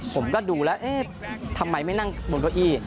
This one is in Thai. ผมก็ดูแล้วเอ๊ะทำไมไม่นั่งบนเก้าอี้